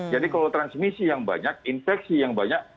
jadi kalau transmisi yang banyak infeksi yang banyak